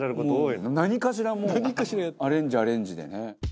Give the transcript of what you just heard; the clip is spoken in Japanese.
何かしらもうアレンジアレンジでね。